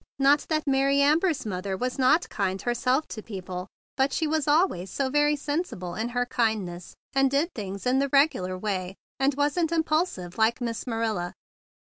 Not that Mary Ambers' mother was not kind herself to people, but she was always so very sensible in her kindness, and did things in the regular way, and wasn't impul¬ sive like Miss Marilla.